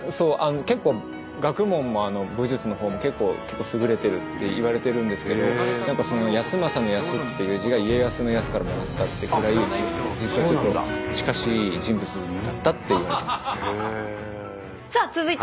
結構学問も武術のほうも結構優れてるっていわれてるんですけど康政の「康」っていう字が家康の「康」からもらったっていうくらい実はちょっと近しい人物だったっていわれてます。